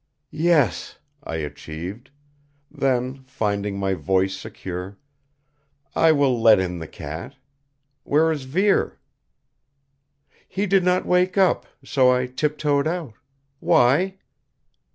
"Yes," I achieved. Then, finding my voice secure: "I will let in the cat. Where is Vere?" "He did not wake up, so I tiptoed out. Why?"